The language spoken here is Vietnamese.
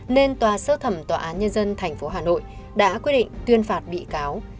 nên tòa sơ thẩm tòa án nhân dân tp hà nội đã quyết định tuyên phạt bị cáo